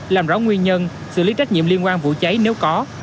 làm rõ nguyên nhân xử lý trách nhiệm liên quan vụ cháy nếu có